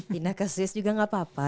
pindah ke swiss juga nggak apa apa